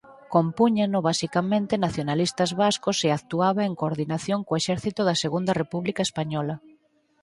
Compúñano basicamente nacionalistas vascos e actuaba en coordinación co exército da Segunda República Española.